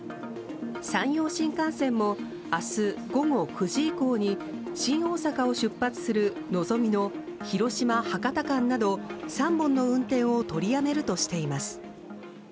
山陽新幹線も明日午後９時以降に新大阪を出発する「のぞみ」の広島博多間など３本の運転を取りやめるとしています。